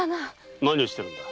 何をしてるんだ？